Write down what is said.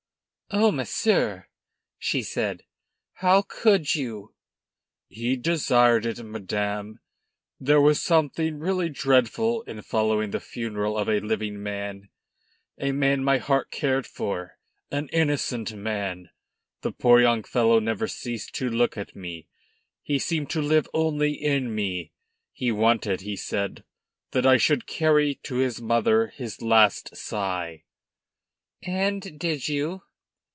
"Oh! monsieur," she said, "how could you " "He desired it, madame. There was something really dreadful in following the funeral of a living man, a man my heart cared for, an innocent man! The poor young fellow never ceased to look at me. He seemed to live only in me. He wanted, he said, that I should carry to his mother his last sigh." "And did you?"